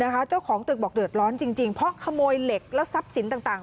นะคะเจ้าของตึกบอกเดือดร้อนจริงจริงเพราะขโมยเหล็กและทรัพย์สินต่างต่าง